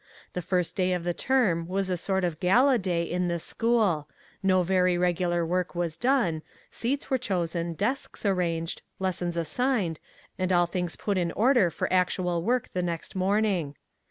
The first day of the term was a sort of gala day in this school; no very regular work was done; seats were chosen, desks arranged, lessons assigned, and all things put in order for actual work the next morning.